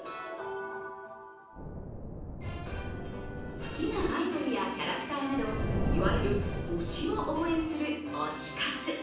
好きなアイドルやキャラクターなどいわゆる推しを応援する推し活。